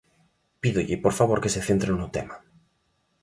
Pídolle, por favor, que se centre no tema.